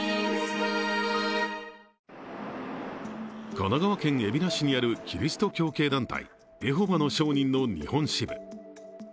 神奈川県海老名市にあるキリスト教系団体、エホバの証人の日本支部。